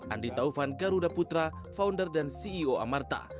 andi taufan garuda putra founder dan ceo amarta